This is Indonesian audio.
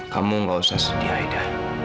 kamu gak usah sedih aida